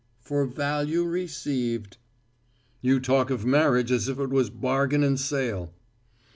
"For value received." "You talk of marriage as if it was bargain and sale."